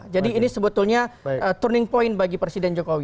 jadi ini sebetulnya turning point bagi presiden jokowi